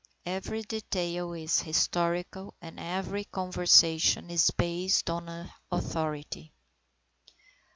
Every detail is historical, and every conversation is based on an authority.